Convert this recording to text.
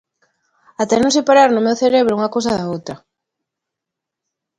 Ata non separar no meu cerebro unha cousa da outra.